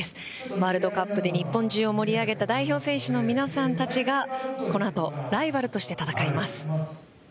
ワールドカップで日本中を盛り上げた代表選手の皆さんたちが今度、ライバルとして戦います。